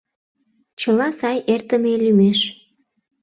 Чыла сай эртыме лӱмеш.